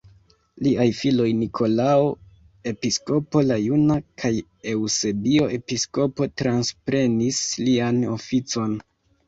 Liaj filoj Nikolao Episkopo la Juna kaj Eŭsebio Episkopo transprenis lian oficon.